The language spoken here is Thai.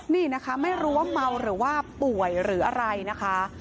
นี่นะคะไม่รู้ว่าเมาหรือว่าป่วยหรืออะไรนะคะ